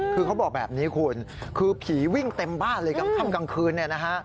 คือเขาบอกแบบนี้คุณคือผีวิ่งเต็มบ้านเลยกลางค่ำกลางคืนเนี่ยนะฮะ